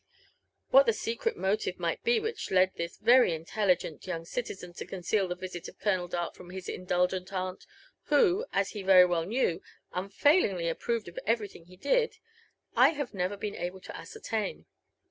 What the secret motive might be which led this very intelligent young citizen to conceal the visit of Colonel Dart from his indulgent aunt, who, as he very well knew, unfailingly approved of everything he did, I have never been able to ascertain.